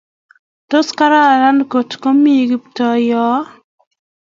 tos kararan ngot ko komii Kiptoo yoee?